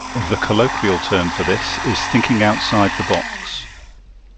The colloquial term for this is "thinking outside the box.